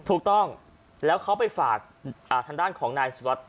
ถูกต้องแล้วเขาไปฝากทางด้านของนายสุวัสดิ